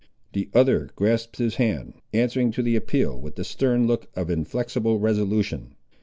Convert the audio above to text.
The other grasped his hand, answering to the appeal with the stern look of inflexible resolution.